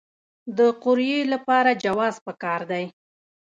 د قوریې لپاره جواز پکار دی؟